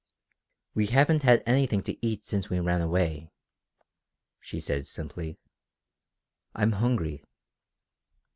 "We haven't had anything to eat since we ran away," she said simply. "I'm hungry."